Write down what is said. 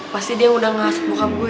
pasti dia udah ngasut bokap gue